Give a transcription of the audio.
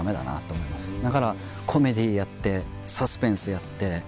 だからコメディーやってサスペンスやって。